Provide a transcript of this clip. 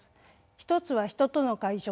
１つは人との会食